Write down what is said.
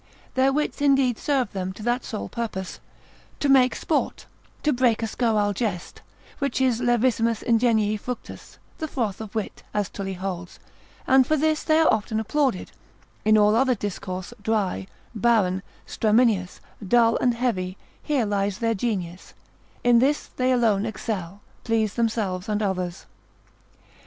Their wits indeed serve them to that sole purpose, to make sport, to break a scurrile jest, which is levissimus ingenii fructus, the froth of wit, as Tully holds, and for this they are often applauded, in all other discourse, dry, barren, stramineous, dull and heavy, here lies their genius, in this they alone excel, please themselves and others.